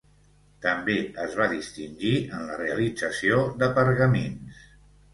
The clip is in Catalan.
També es va distingir en la realització de pergamins.